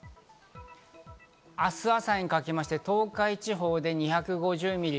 明日朝にかけまして東海地方で２５０ミリ。